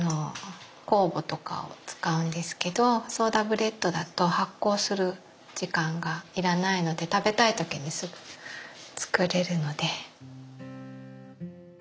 酵母とかを使うんですけどソーダブレッドだと発酵する時間がいらないので食べたい時にすぐ作れるので。